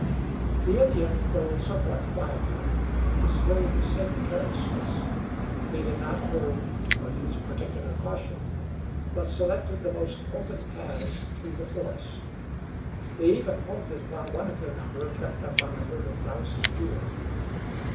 The Indians, though somewhat quieter, displayed the same carelessness: they did not hurry, nor use particular caution, but selected the most open paths through the forest. They even halted while one of their number crept up on a herd of browsing deer.